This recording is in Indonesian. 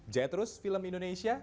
jaya terus film indonesia